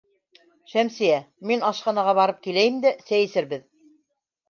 Шәмсиә, мин ашханаға барып киләйем дә сәй эсербеҙ.